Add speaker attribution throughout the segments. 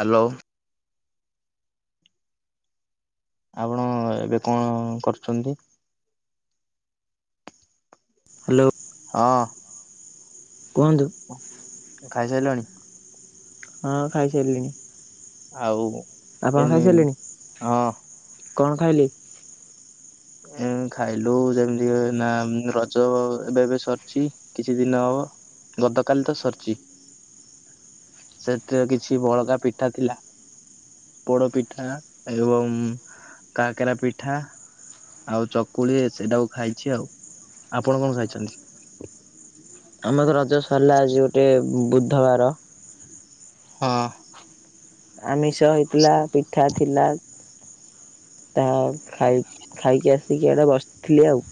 Speaker 1: Hello. ଆପଣ ଏବେ କଣ କରୁଛନ୍ତି?
Speaker 2: ହାଲୋ।
Speaker 1: ହଁ।
Speaker 2: କୁହନ୍ତୁ।
Speaker 1: ଖାଇସାଇଲଣି?
Speaker 2: ହଁ ଖାଇସାରିଲିଣି।
Speaker 1: ଆଉ
Speaker 2: ଆପଣ
Speaker 1: ଏନି
Speaker 2: ଖାଇସାରିଲେଣି
Speaker 1: ହଁ
Speaker 2: କଣ ଖାଇଲେ?
Speaker 1: ଏ ଖାଇଲୁ ଯେମିତି ନା ରଜ ଏବେ ଏବେ ସରିଛି କିଛି ଦିନ ହବ ଗତକାଲି ତ ସରିଛି ସେଥିରେ କିଛି ବଳକା ପିଠା ଥିଲା ପୋଡ ପିଠା ଏବଂ କାକରା ପିଠା ଆଉ ଚକୁଳି ସେଇଟାକୁ ଖାଇଛି ଆଉ ଆପଣ କଣ ଖାଇଛନ୍ତି?
Speaker 2: ଆମର ରଜ ସରିଲା ଆଜି ଗୋଟେ ବୁଧବାର
Speaker 1: ହଁ।
Speaker 2: ଆମିଷ ହେଇଥିଲା ପିଠା ଥିଲା ତା ଖାଇ ଖାଇକି ଆସିକି ଆଡ଼େ ବସିଥିଲି ଆଉ।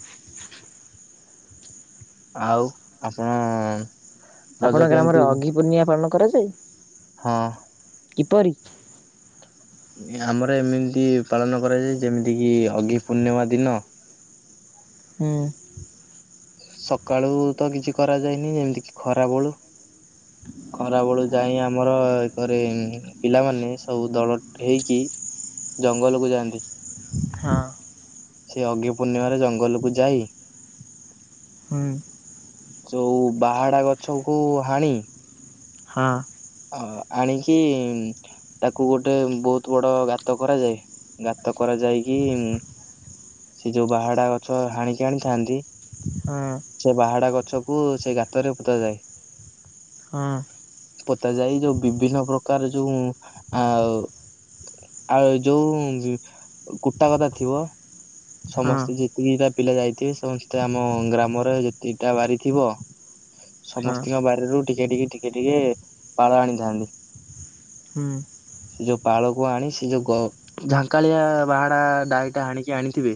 Speaker 1: ଆଉ ଆପଣ ରଜ
Speaker 2: ଆପଣଙ୍କ
Speaker 1: କେମିତି
Speaker 2: ଗ୍ରାମରେ ଅଗିପୂର୍ଣ୍ଣିଆ ପାଳନ କରାଯାଏ।
Speaker 1: ହଁ।
Speaker 2: କିପରି?
Speaker 1: ଆମର ଏମିତି ପାଳନ କରାଯାଏ ଯେମିତି କି ଅଗି ପୂର୍ଣ୍ଣିମା ଦିନ
Speaker 2: ହୁଁ।
Speaker 1: ସକାଳୁ ତ କିଛି କରାଯାଇନି ଯେମିତି କି ଖରା ବଳୁ ଖରା ବଳୁ ଯାଇ ଆମର ଏକରେ ପିଲାମାନେ ସବୁ ଦଳ ହେଇକି ଜଙ୍ଗଲ କୁ ଯାଆନ୍ତି
Speaker 2: ହଁ
Speaker 1: ସେ ଅଗି ପୂର୍ଣ୍ଣିମାରେ ଜଙ୍ଗଲକୁୁ ଯାଇ
Speaker 2: ହୁଁ
Speaker 1: ଯୋଉ ବାହାଡା ଗଛ କୁ ହାଣି
Speaker 2: ହଁ
Speaker 1: ଅ ଆଣିକି ତାକୁ ଗୋଟେ ବହୁତ ବଡ ଗାତ କରାଯାଏ ଗାତ କରାଯାଇକି ସେ ଯୋଉ ବାହାଡା ଗଛ ହାଣିକି ଆଣିଥାନ୍ତି
Speaker 2: ହଁ
Speaker 1: ସେ ବାହାଡା ଗଛକୁ ସେ ଗାତରେ ପୋତା ଯାଏ
Speaker 2: ହଁ
Speaker 1: ପୋତା ଯାଇ ଯୋଉ ବିଭିନ୍ନ ପ୍ରକାର ଯୋଉ ଆ ଆଉ ଯୋଉ କୁଟା ଗଦା ଥିବ।
Speaker 2: ହଁ
Speaker 1: ସମସ୍ତେ ଯେତିକିଟା ପିଲା ଯାଇଥିବେ ସମସ୍ତେ ଆମ ଗ୍ରାମରେ ଯେତିକିଟା ବାରି ଥିବ
Speaker 2: ହଁ
Speaker 1: ସମସ୍ତଙ୍କ ବାରିରୁ ଟିକେ ଟିକେ ଟିକେ ଟିକେ ପାଳ ଆଣିଥାନ୍ତି
Speaker 2: ହୁଁ
Speaker 1: ଯୋଉ ପାଳକୁ ଆଣି ସେ ଯୋଉ ଗ ଝାଙ୍କାଳିଆ ବାହାଡା ଡାଳିଟା ହାଣିକି ଆଣି ିବେ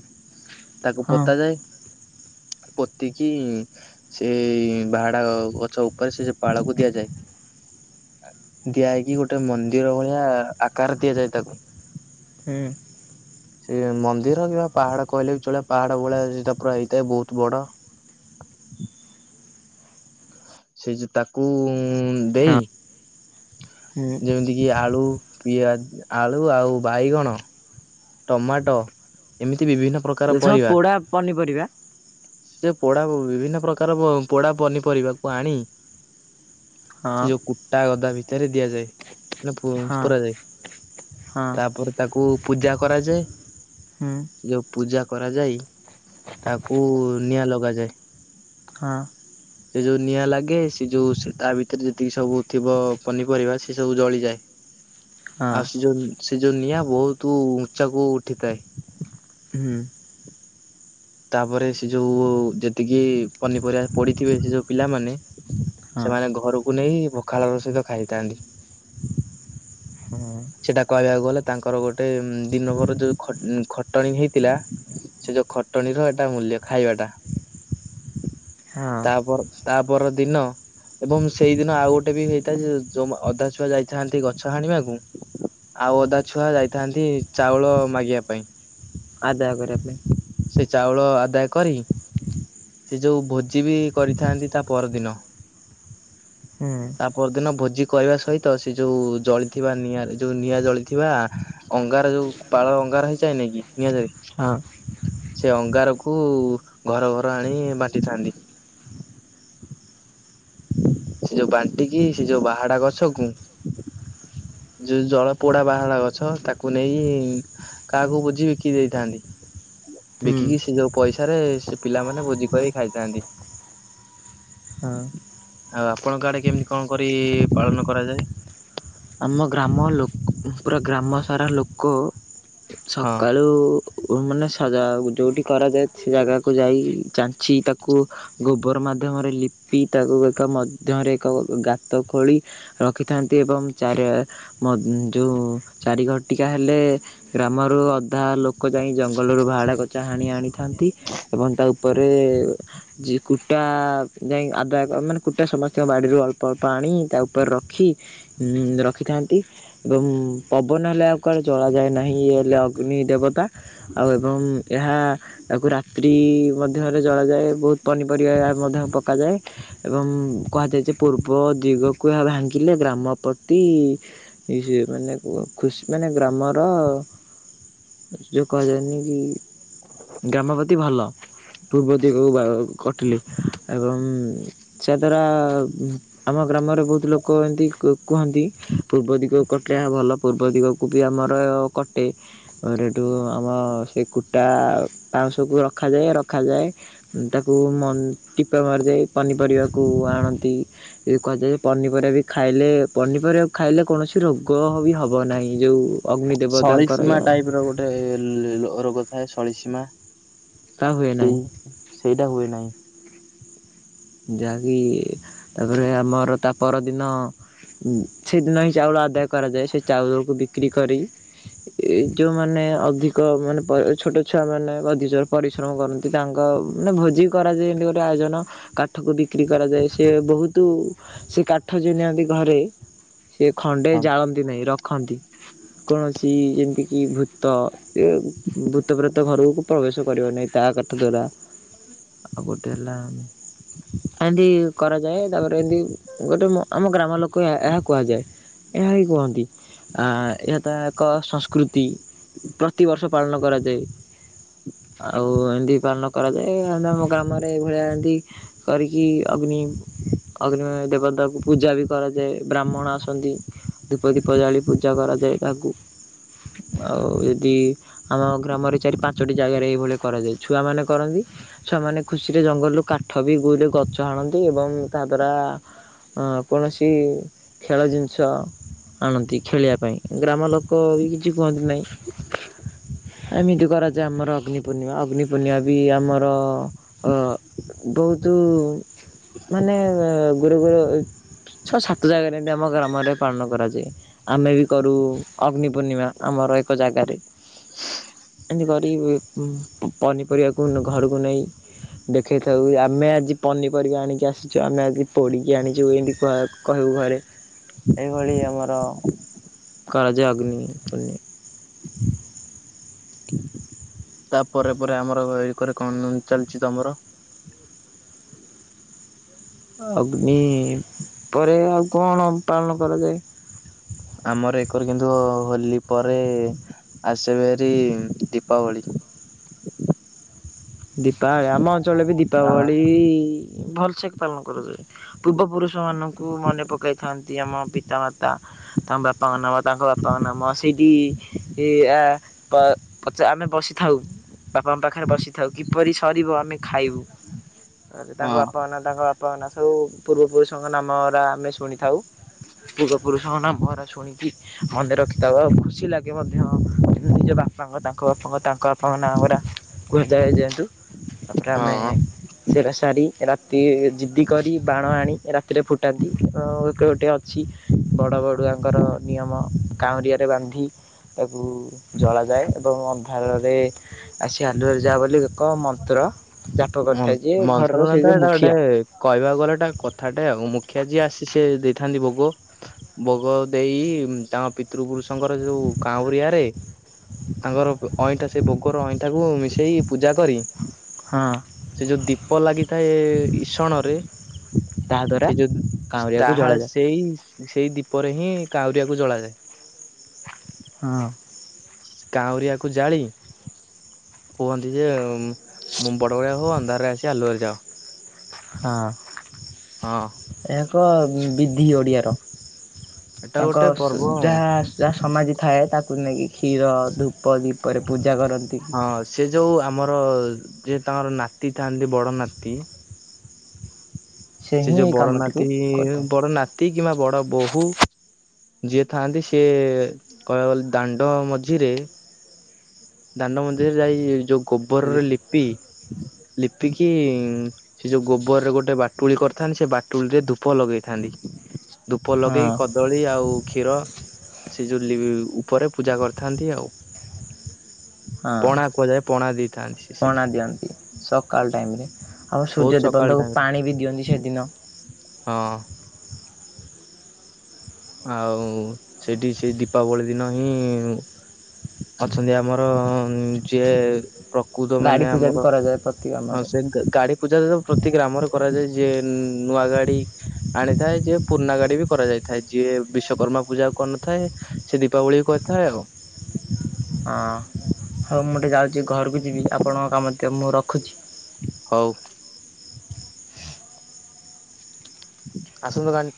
Speaker 1: ତାକୁ
Speaker 2: ହଁ
Speaker 1: ପୋତା ଯାଏ ପୋତିକି ସେ ବାହାଡା ଗଛ ଉପରେ ସେ ପାଳକୁ ଦିଆଯାଏ ଦିଆଇକି ଗୋଟେ ମନ୍ଦିର ଭଳିଆ ଆକାର ଦିଆଯାଏ ତାକୁ
Speaker 2: ହୁଁ
Speaker 1: ସେ ମନ୍ଦିର ପାହାଡ କହିଲେ ବି ଚଳେ ପାହାଡ ଭଳିଆ ସେଟା ପୁରା ହେଇଥାଏ ବହୁତ ବଡ ସେ ଯଉ ତାକୁ
Speaker 2: ହଁ
Speaker 1: ଦେଇ
Speaker 2: ହୁଁ
Speaker 1: ଯେମିତି କିି ଆଳୁ ପିଆଜ ଆଳୁ ଆଉ ବାଇଗଣ ଟମାଟୋ ଏମି
Speaker 2: ଯେଥ ପୋଡ଼ା ପନିପରିବା
Speaker 1: ସେ ପୋଡା ବିଭିନ୍ନ ପ୍ରକାର ପୋଡା ପନିପରିବାକୁ ଆଣି
Speaker 2: ହଁ
Speaker 1: ସେ ଯୋଉ କୁଟା ଗ ଭିତରେ ଦିଆଯାଏ ମ
Speaker 2: ହଁ
Speaker 1: ପୁର ଯାଏ
Speaker 2: ହଁ
Speaker 1: ତାପରେ ତାକୁ ପୂଜା କରାଯାଏ
Speaker 2: ହୁଁ
Speaker 1: ସେ ଯୋଉ ପୂଜା କରାଯାଏ ତାକୁ ନିଆଁ ଲଗାଯାଏ
Speaker 2: ହଁ
Speaker 1: ସେ ଯୋଉ ନିଆଁ ଲାଗେ ସେ ଯୋଉ ତା ଭିତରେ ଯେତିକି ସବୁ ଥିବ ପନିପରିବା ସେ ସବୁ ଜଳିଯାଏ
Speaker 2: ହଁ
Speaker 1: ଆଉ ସେ ଯୋଉ ସେ ଯୋଉ ନିଆଁ ବହୁତ ଚାକୁ ଉଠିଥାଏ।
Speaker 2: ହୁଁ
Speaker 1: ତାପରେ ସେ ଯୋଉ ଯେତିକି ପନିପରିବା ପଡିଥିବେ ସେ ଯୋଉ ପିଲାମାନେ
Speaker 2: ହଁ
Speaker 1: ସେମାନେ ଘରକୁ ନେଇ ଭଖାଳ ର ସହିତ ଖାଇଥାନ୍ତି
Speaker 2: ହୁଁ
Speaker 1: ସେଟା କହିବାକୁ ଗଲେ ତାଙ୍କର ଗୋଟେ ଦିନବର ଯୋଉ ଖଟଣି ହେଇଥିଲା ସେ ଯୋଉ ଚଟଣୀର ଏଟା ମୂଲ୍ୟ ଖାଇବାଟା
Speaker 2: ହଁ
Speaker 1: ତାପ ତାପ ଦିନ ଏବଂ ସେଇଦିନ ଆଉ ଗୋଟେ ବି ହେଇଥାଏ ଯେ ଯୋଉ ଅଧା ଛୁଆ ଯାଇଥାନ୍ତି ଗଛ ହାଣିବାକୁ ଆଉ ଅଧା ଛୁଆ ଯାଇଥାନ୍ତି ଚାଉଳ ମାଗିବା ପାଇଁ
Speaker 2: ଆଦାୟ କରିବା ପାଇଁ।
Speaker 1: ସେ ଚାଉଳ ଆଦାୟ କରି ସେ ଯୋଉ ଭୋଜି ବି କରିଥାନ୍ତି ତା ପରଦିନ
Speaker 2: ହୁଁ
Speaker 1: ତା ପରଦିନ ଭୋଜି କହିବା ସହିତ ସେ ଯୋଉ ଜଳିଥିବା ନିଆଁରେ ଯୋଉ ନିଆଁ ଜଳିଥିବା ଅଙ୍ଗାର ଯୋଉ ପାଳ ଅଙ୍ଗାର ହେଇଯାଏ ନେଇକି
Speaker 2: ହଁ।
Speaker 1: ସେ ଅଙ୍ଗାରକୁ ଘର ଘର ପାଣି ବାଟିଥାନ୍ତି। ସେ ଯୋଉ ବାଣ୍ଟିକି ସେ ଯୋଉ ବାହାଡା ଗଛକୁ ଯୋଉ ଜଳ ପୋଡା ବାହାଡା ଗଛ ତାକୁ ନେଇ କାହାକୁ ବୁଝି ବିକି ଦେଇଥାନ୍ତି।
Speaker 2: ହୁଁ
Speaker 1: ବିକିକି ସେ ଯଉ ପଇସାରେ ସେ ପିଲାମାନେ ଭୋଜି କରି ଖାଇଥାନ୍ତି।
Speaker 2: ହଁ
Speaker 1: ଆଉ ଆପଣଙ୍କ ଆଡେ କେମିତି କଣ କରି ପାଳନ କରାଯାଏ?
Speaker 2: ଆମ ଗ୍ରାମ ଲୋ ପୁରା ଗ୍ରାମ ସାରା ଲୋକ।
Speaker 1: ହଁ।
Speaker 2: ସକାଳୁ ମାନେ ସଜା ଯୋଉଠି କରାଯାଏ ସେ ଜାଗାକୁ ଯାଇ ଚାଞ୍ଚି ତାକୁ ଗୋବର ମାଧ୍ୟମରେ ଲିପି ତାକୁ ଏକ ମଧ୍ୟରେ ଏକ ଗାତ ଖୋଳି ରଖିଥାନ୍ତି ଏବଂ ଚାରି ଯେଉଁ ଚାରି ଘଟିକା ହେଲେ ଗ୍ରାମରୁ ଅଧା ଲୋକ ଯାଇ ଜଙ୍ଗଲରୁ ବାହାଡା ଗଛା ହାଣି ଆଣି ଥାନ୍ତି ଏବଂ ତା ଉପରେ କୁଟା ଯାଇ ଆଦାୟ ମାନେ କୁଟା ସମସ୍ତଙ୍କ ବାଡ଼ିରୁ ଅଳ୍ପ ଅଳ୍ପ ଆଣି ତା ଉପରେ ରଖି ରଖିଥାନ୍ତି ଏବଂ ପବନ ହେଲେ ଆଉ କୁଆଡ଼େ ଜଳାଯାଏ ନାହିଁ ଇଏ ହେଲେ ଅଗ୍ନି ଦେବତା ଆଉ ଏବଂ ଏହା ତାକୁ ରାତ୍ରି ମଧ୍ୟରେ ଜଳାଯାଏ ବହୁତ ପନିପରିବା ମଧ୍ୟ ପକାଯାଏ ଏବଂ କୁହାଯାଏ ଯେ ପୂର୍ବ ଦିଗକୁ ଏହା ଭାଙ୍ଗିଲେ ଗ୍ରାମ ପ୍ରତି ମାନେ ଖୁସି ମାନେ ଗ୍ରାମର ଯେଉ କୁହାଯାଏନି କି ଗ୍ରାମପ୍ରତି ଭଲ ପୂର୍ବ ଦିଗକୁ କଟିଲେ ଏବଂ ଯାଦ୍ୱାରା ଆମ ଗ୍ରାମରେ ବହୁତ ଲୋକ ଏନ୍ତି ଭଲ ପୂର୍ବ ଦିଗକୁ ବି ଆମର କଟେ ସେଠୁ ଆମ ସେ କୁଟା ପାଉଁଶକୁ ରଖାଯାଏ ରଖାଯାଏ ତାକୁ ଟିପା ମାରିଯା ପନିପରିବାକୁ ଆଣନ୍ତି କୁହାଯାଏ ପନିପରିବା ବି ଖାଇଲେ ପନିପରିବା ଖାଇଲେ କୌଣସି ରୋଗ ବି ହେବ ନାହିଁ ଯୋଉଁ
Speaker 1: ସଳିସୀମା ଟାଇପର ଗୋଟେ ରୋଗ ଏ ସଳିସୀମା।
Speaker 2: ତା ହୁଏ ନାହିଁ।
Speaker 1: ସେଇ ସେଇଟା ହୁଏ ନାହିଁ।
Speaker 2: ଯାହାକି ତାପରେ ଆମର ତା ପରଦିନ ସେଦିନ ହିଁ ଚାଉଳ ଆଦାୟ କରାଯାଏ ସେ ଚାଉଳକୁ ବିକ୍ରି କରି ଯେଉଁମାନେ ଅଧିକ ମାନେ ଛୋଟ ଛୁଆମାନେ ଅଧିକ ପରିଶ୍ରମ କରନ୍ତି ତାଙ୍କ ମାନେ ଭୋଜି କରାଯାଏ ଏମିତି ଗୋଟେ ଆୟୋଜନ କାଠକୁ ବିକ୍ରି କରାଯାଏ ସେ ବହୁତ ସେ କାଠ ଯେ ନିଅନ୍ତି ଘରେ ସେ ଖଣ୍ଡେ
Speaker 1: ହଁ
Speaker 2: ଜାଳନ୍ତି ନାହିଁ ରଖ ଖନ୍ତି। କୌଣସି ଯେମିତିକି ଭୂତ ଭୂତ ପ୍ରେତ ଘରକୁ ପ୍ରବେଶ କରିବ ନାହିଁ। ତା କଥା ଦ୍ୱାରା ଆଉ ଗୋଟେ ହେଲା ଏମତି କରାଯାଏ ତାପରେ ଏମତି ଗୋଟେ ଆମ ଗ୍ରାମ ଲୋକ କ ଏହା କୁହାଯାଏ। ଏହା ହିଁ କୁହନ୍ତି ଆ ଏହା ତ ଏକ ସଂସ୍କୃତି ପ୍ରତିବର୍ଷ ପାଳନ କରାଯାଏ। ଆଉ ଏମିତି ପାଳନ କରାଯାଏ। ଆମ ଆମ ଗ୍ରାମରେ ଏଇଭଳିଆ ଏମିତି କରିକି ଅଗ୍ନି ଅଗ୍ନି ଦେବଦକୁ ପୂଜା ବି କରାଯାଏ ବ୍ରାହ୍ମଣ ଆସନ୍ତି ଦୀପ ଦୀପ ଜାଳି ପୂଜା କରାଯାଏ। ତାକୁ ଆଉ ଯଦି ଆମ ଗ୍ରାମରେ ଚାରି ପାଞ୍ଚଟି ଜାଗାରେ ଏଇଭଳିଆ କରାଯାଏ। ଛୁଆମାନେ କରନ୍ତି। ଛୁଆମାନେ ଖୁସିରେ ଜଙ୍ଗଲରୁ କାଠ [inaudible] ଗଛ ଆଣନ୍ତି ଏବଂ ତା ଦ୍ୱାରା କୌଣସି ଖେଳ ଜିନିଷ ଆଣନ୍ତି ଖେଳିବା ପାଇଁ ଗ୍ରାମଲୋକ ବି କିଛି କୁହନ୍ତି ନାହିଁ। ଏମିତି କରାଯାଏ ଆମର ଅଗ୍ନିପୂର୍ଣ୍ଣିମା। ଅଗ୍ନିପୂର୍ଣ୍ଣିମା ବି ଆମର। ବହୁତ ମାନେ ଗୁରେ ଗୁରେ ଛଅ ସାତ ଜାଗାରେ ଏମିତି ଆମ ଗ୍ରାମରେ ପାଳନ କରାଯାଏ। ଆମେ ବି କରୁ ଅଗ୍ନିପୂର୍ଣ୍ଣିମା ଆମର ଏକ ଜାଗାରେ। ଏମିତି କରି ପନିପରିବାକୁ ଘରକୁ ନେଇ ଦେଖେଇ ସେ ଆମେ ଆଜି ପନିପରିବା ଆଣିକି ଆସିଛୁ ଆମେ ଆଜି ପୋଡ଼ିକି ଆଣିଛୁ ଏମିତି କହିବୁ ଘରେ ଏଭଳି ଆମର କରାଯାଏ ଅଗ୍ନି ପୂର୍ଣି
Speaker 1: ତାପରେ ପରେ ଆମର ଏକରେ କଣ ଚାଲିଛି ତମର?
Speaker 2: ଅଗ୍ନି ପରେ ଆଉ କଣ ପାଳନ କରାଯାଏ?
Speaker 1: ଆମର ଏକରେ କିନ୍ତୁ ହୋଲି ପରେ ଆସେ ଭେରୀ ଦୀପାବଳି।
Speaker 2: ଦୀପାବଳି ଆମ ଅଞ୍ଚଳରେ ବି
Speaker 1: ଅ
Speaker 2: ଦୀପାବଳି ଭଲ ସେଠି ପାଳନ କରାଯାଏ ପୂର୍ବପୁରୁଷମାନଙ୍କୁ ମନେ ପକାଇଥାନ୍ତି। ଆମ ପିତାମାତା ତାଙ୍କ ବାପାଙ୍କ ନାମ ତାଙ୍କ ବାପାଙ୍କ ନାମ ସେଇଠି ଆ ଆମେ ବସିଥାଉ। ବାପାଙ୍କ ପାଖରେ ବସିଥାଉ କିପରି ସରିବ ଆମେ ଖାଇବୁ। ଆ ତାଙ୍କ ବାପା ନାଁ ତାଙ୍କ ବାପା [unintelligible] ପୂର୍ବ ପୁରୁଷଙ୍କ ନାମ ତା ଆମେ ଶୁଣିଥାଉ ପୂର୍ବ ପୁରୁଷଙ୍କ ନାମ ହେରା ଶୁଣିକି ମନେ ରଖିଥାଉ ଆଉ ଖୁସି ଲାଗେ ମତେ ହଁ ନିଜ ବାପାଙ୍କ ତାଙ୍କ ବାପାଙ୍କ ତାଙ୍କ ବାପାଙ୍କ ନାଁ ପରା କୁହାଯାଏ ଯେ ତୁ। ତାପରେ ଆମେ ସେରା ସାରି ଏରା ଏମିତି ଜିଦ୍ଦି କରି ବାଣ ଆଣି ରାତିରେ ଫୁଟାନ୍ତି ଏବଂ ଗୋଟିଏ ଅଛି ବଡ଼ ବଡ଼ୁଆଙ୍କର ନିୟମ କାଉଁରିଆରେ ବାନ୍ଧି ତାକୁ ଜଳାଯାଏ ଏବଂ ଅନ୍ଧାରରେ ଆସି ଆଲୁଅରେ ଯା ବୋଲି ଏକ ମନ୍ତ୍ର। ଜାପ
Speaker 1: ମ
Speaker 2: କରିଥାଏ ଯେ ଘରର ସେଇ
Speaker 1: ମନ୍ତ୍ରତନ୍ତ୍ର
Speaker 2: ଯୋଉ
Speaker 1: ଏଟା ଗୋଟେ
Speaker 2: ମୁଖିଆ
Speaker 1: କହିବାକୁ ଗଲେ ଏଟା କଥାଟେ ଆଉ ମୁଖିଆ ଯିଏ ଆସି ସେ ଦେଇ ଥାନ୍ତି ଭୋଗ, ଭୋଗ ଦେଇ ତାଙ୍କ ପିତୃ ପୁରୁଷଙ୍କର ଯୋଉ କାଉଁରିଆରେ ତାଙ୍କର ଅଇଁଠା ସେ ଭୋଗର ଅଇଁଠାକୁ ମିଶେଇ ପୂଜା କରି
Speaker 2: ହଁ
Speaker 1: ସେ ଯୋଉ ଦୀପ ଲାଗିଥାଏ ଇସଣରେ
Speaker 2: ତାହା ଦ୍ଵାରା
Speaker 1: ସେ ଯୋଉ
Speaker 2: କାଉଁରିଆକୁ
Speaker 1: ତାହା
Speaker 2: ଜଳାଯାଏ
Speaker 1: ସେଇ ସେଇ ଦୀପରେ ହିଁ କାଉରିଆକୁ ଜଳାଯାଏ।
Speaker 2: ହଁ।
Speaker 1: ସେ କାଉଁରିଆକୁ ଜାଳି କୁହନ୍ତି ଯେ ମୁଁ ବଡ ବଡିଆ ହୋ ଅନ୍ଧାରରେ ଆସି ଆଲୁଅରେ ଯାଅ।
Speaker 2: ହଁ।
Speaker 1: ହଁ।
Speaker 2: ଏକ ବିଧି ଓଡ଼ିଆର।
Speaker 1: ଏଟା
Speaker 2: ତାଙ୍କ
Speaker 1: ଗୋଟେ ପର୍ବ
Speaker 2: ସ
Speaker 1: ଆଉ
Speaker 2: ଯାହା ଯାହା ସମାଧି ଥାଏ ତାକ୍ କୁ ନେଇକି କ୍ଷୀର ଧୂପ ଦୀପରେ ପୂଜା କର
Speaker 1: ହଁ ସେ ଯୋଉ ଆମର ଯେ ତାଙ୍କର ନାତି ଥାନ୍ତି ବଡ ନାତି ସେ
Speaker 2: ହିଁ
Speaker 1: ଯୋଉ
Speaker 2: ଏଇ
Speaker 1: ବଡ
Speaker 2: କାମଟିକୁ
Speaker 1: ନାତିଇଇ
Speaker 2: କରିଥାଏ
Speaker 1: ବଡ ନାତି କିମ୍ବା ବଡ ବୋହୂ। ଯିଏ ଥାଆନ୍ତି ସିଏ କହିବାକୁ ଗଲେ ଦାଣ୍ଡ ମଝିରେ ଦାଣ୍ଡ ମନ୍ଦିରେ ଯାଇ ଯୋଉ ଗୋବରରେ
Speaker 2: ଲିପ୍
Speaker 1: ଲିପି ଲିପ୍ ଏତିକିଇଇ ସେ ଯୋଉ ଗୋବରରେ ଗୋଟେ ବାଟୁଳି କରିଥାନ୍ତି ସେ ବାଟୁଳି ରେ ଧୂପ ଲଗେଇଥାନ୍ତି। ଧୂପ
Speaker 2: ହଁ
Speaker 1: ଲଗେଇ କଦଳୀ ଆଉ କ୍ଷୀର ସେ ଯୋଉ ଲି ପରେ ପୂଜା କରିଥାନ୍ତି ଆଉ
Speaker 2: ହଁ,
Speaker 1: ପଣା କୁହାଯାଏ ପଣା ଦେଇଥାନ୍ତି ସେ
Speaker 2: ପଣା
Speaker 1: ସେଠି।
Speaker 2: ଦିଅନ୍ତି ସକାଳ ଟାଇମରେ ଆଉ
Speaker 1: ବହୁତ ସକାଳ
Speaker 2: ସୂର୍ଯ୍ୟଦେବତାଙ୍କୁ
Speaker 1: ଟାଇମ ରେ
Speaker 2: ପାଣି ବି ଦିଅନ୍ତି ସେଦିନ।
Speaker 1: ହଁ ଆଉ ସେଇଠି ସେ ଦୀପାବଳି ଦିନ ହିଁ ଅଛନ୍ତି ଆମର ଯିଏ ପ୍ର
Speaker 2: ଗାଡି ପୂଜା ବି କରାଯାଏ ପ୍ରତ୍
Speaker 1: ହଁ ସେ ଗା ଗାଡି ପୂଜା ପ୍ରତି ଗ୍ରାମରେ କରାଯାଏ ଯିଏ ନୂଆ ଗାଡି ଆଣିଥାଏ ଯେ ପୁରୁଣା ଗାଡି ବି। କରାଯାଇଥାଏ, ଯିଏ ବିଶ୍ଵକର୍ମା ପୂଜାକୁ କରିନଥାଏ ସେ ଦୀପାବଳିକୁ କରିଥାଏ ଆଉ
Speaker 2: ହଁ, ହଉ ମୁଁ ଟିକେ ଯାଉଛି ଘରକୁ ଯିବି ଆପଣଙ୍କ କାମ ଥିବ ମୁଁ ରଖୁଛି।
Speaker 1: ହଉ। ଆସନ୍ତୁ। [unintelligible]